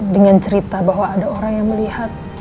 dengan cerita bahwa ada orang yang melihat